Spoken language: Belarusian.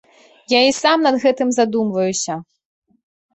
Я і сам над гэтым задумваюся.